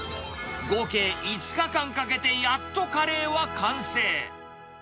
合計５日間かけて、やっとカレーは完成。